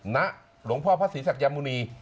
ณหลวงพ่อพระศรีศักยมุณี